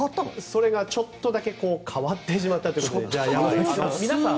それがちょっとだけ変わってしまったということで山崎さん。